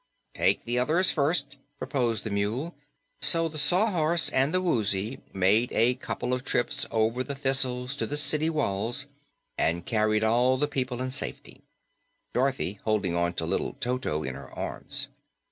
"Take the others first," proposed the Mule. So the Sawhorse and the Woozy made a couple of trips over the thistles to the city walls and carried all the people in safety, Dorothy holding little Toto in her arms.